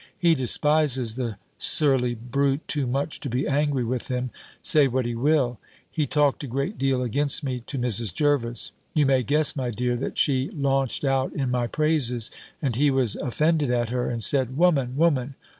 He despises the surly brute too much to be angry with him, say what he will." He talked a great deal against me to Mrs. Jervis. You may guess, my dear, that she launched out in my praises; and he was offended at her, and said, "Woman! woman!